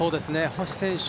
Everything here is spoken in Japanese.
星選手